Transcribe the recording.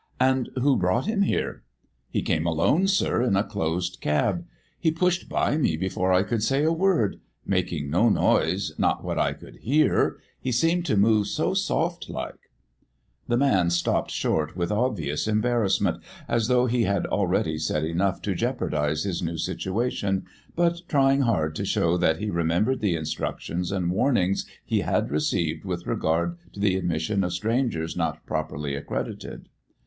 "And who brought him here?" "He come alone, sir, in a closed cab. He pushed by me before I could say a word making no noise not what I could hear. He seemed to move so soft like " The man stopped short with obvious embarrassment, as though he had already said enough to jeopardise his new situation, but trying hard to show that he remembered the instructions and warnings he had received with regard to the admission of strangers not properly accredited.